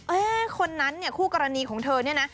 คนนั้นเนี่ยคู่กรณีของเธอเนี่ยนะ